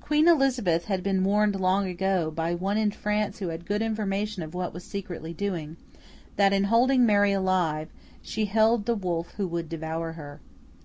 Queen Elizabeth had been warned long ago, by one in France who had good information of what was secretly doing, that in holding Mary alive, she held 'the wolf who would devour her.